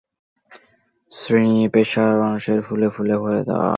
নানা শ্রেণি-পেশার মানুষের দেওয়া ফুলে ফুলে ভরে যায় বধ্যভূমিগুলোর শহীদ বেদি।